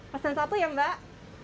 pasang satu ya mbak